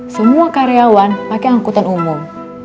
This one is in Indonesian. semua karyawan pakai angkutan umum